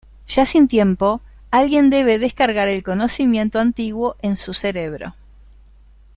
Ya sin tiempo, alguien debe descargar el conocimiento Antiguo en su cerebro.